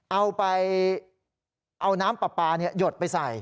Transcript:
เอาไปเอาน้ำปลาปลาหยดไปใส่